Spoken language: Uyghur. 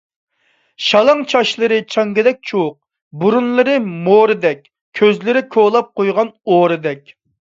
شالاڭ چاچلىرى چاڭگىدەك چۇۋۇق، بۇرۇنلىرى مورىدەك، كۆزلىرى كولاپ قويغان ئورىدەك.